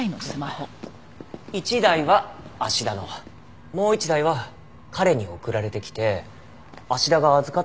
一台は芦田のもう一台は彼に送られてきて芦田が預かってたそうです。